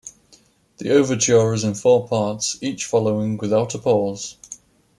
The overture is in four parts, each following without pause.